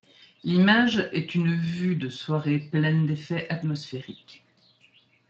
L'image est une vue de soirée pleine d'effet atmosphérique.